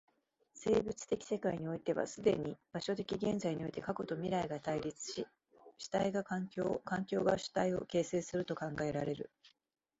生物的世界においては既に場所的現在において過去と未来とが対立し、主体が環境を、環境が主体を形成すると考えられる。